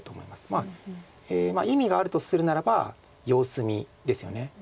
まあ意味があるとするならば様子見ですよね。